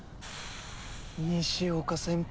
西岡先輩